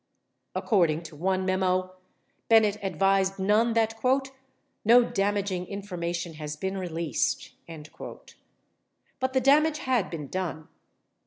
49 According to one memo, Bennett advised Nunn that: "No damaging information has been released." 50 But the damage had been done.